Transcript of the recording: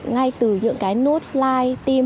ngay từ những cái nút like team